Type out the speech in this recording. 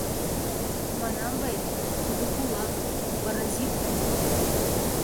— Манам вет... тудо кулак... паразит тудо...